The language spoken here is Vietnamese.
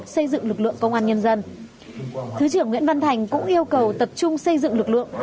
xây dựng lực lượng công an nhân dân thứ trưởng nguyễn văn thành cũng yêu cầu tập trung xây dựng lực lượng